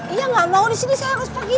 iya gak mau disini saya harus pergi